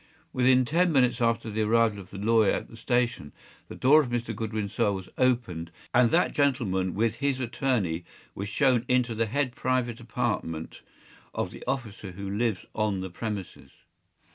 Within ten minutes after the arrival of the lawyer at the station, the door of Mr. Goodwin’s cell was opened, and that gentlemen with his attorney were shown into the head private apartment of the officer who lives on the premises.